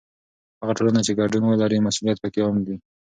هغه ټولنه چې ګډون ولري، مسؤلیت پکې عام وي.